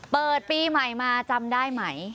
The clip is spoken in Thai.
เปิดปีใหม่มาจำได้ไหม